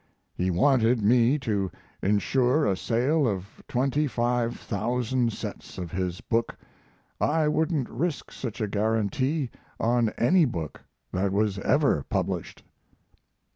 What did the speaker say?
"'He wanted me to insure a sale of twenty five thousand sets of his book. I wouldn't risk such a guarantee on any book that was ever published.'"